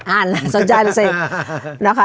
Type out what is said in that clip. อ่านแล้วสนใจแล้วสินะคะ